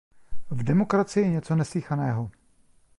V demokracii něco neslýchaného!